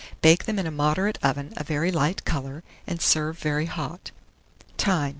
Bake them in a moderate oven a very light colour, and serve very hot. Time.